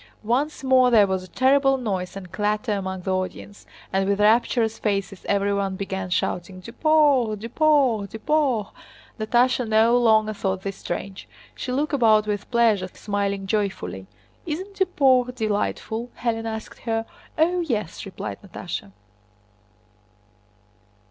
Once more there was a terrible noise and clatter among the audience, and with rapturous faces everyone began shouting: "Duport! Duport! Duport!" Natásha no longer thought this strange. She looked about with pleasure, smiling joyfully. "Isn't Duport delightful?" Hélène asked her. "Oh, yes," replied Natásha.